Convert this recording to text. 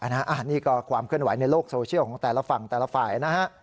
อันนี้ก็ความเคลื่อนไหวในโลกโซเชียลของแต่ละฝั่งแต่ละฝ่ายนะฮะ